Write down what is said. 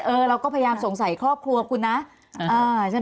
พี่เรื่องมันยังไงอะไรยังไง